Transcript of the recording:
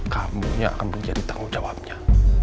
kamu yang akan menjadi tanggung jawabnya